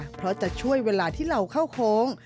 เพราะจะช่วยเวลาที่เราเข้าโค้ง